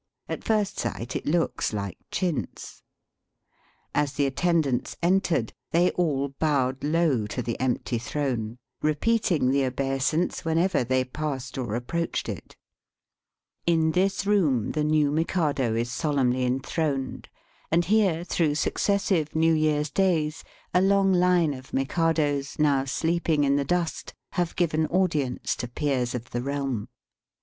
At first sight it looks like chintz. As the attendants entered, they all bowed low to the empty throne, repeating the obeisance whenever they passed or approached Digitized by VjOOQIC 70 EAST BY WEST. it. In this room the new Mikado is solemnly enthroned, and here, through successive New Tear's days, a long line of Mikados, now sleeping in the dust, have given audience to peers of the realm.